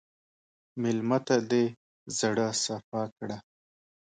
مېلمه ته د زړه صفا کړه.